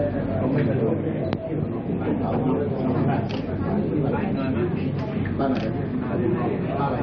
ต้องไปจัดโรคเลย